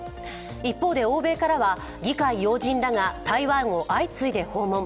一方で、欧米からは議会要人らが台湾を相次いで訪問。